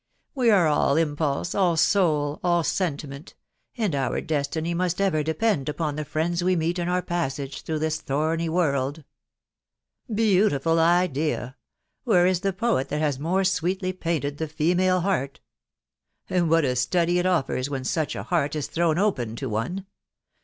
.•• We are all impulse, aU soul, all sentiment, .... and our destiny must ever depend upon the friends we meet in our passage through this thorny world !"" Beautiful idea !.... Where is the poet that has more sweetly painted the female heart ?.... And what a study it offers when such a heart is thrown open to one